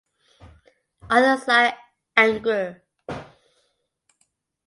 Others like Engr.